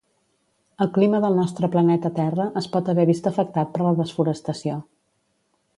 El clima del nostre planeta Terra es pot haver vist afectat per desforestació